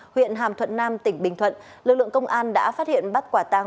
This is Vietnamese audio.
huyện hàm thuận nam tỉnh bình thuận lực lượng công an đã phát hiện bắt quả tàng